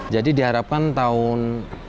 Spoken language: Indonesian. jadi diharapkan tahun